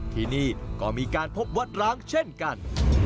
ที่นี่ก็มีการพบวัดร้างเช่นกัน